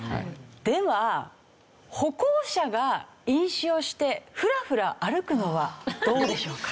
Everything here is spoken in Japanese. では歩行者が飲酒をしてフラフラ歩くのはどうでしょうか？